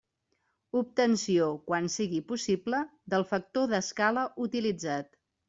Obtenció, quan siga possible, del factor d'escala utilitzat.